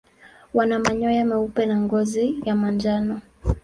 Wana manyoya meupe na ngozi ya manjano.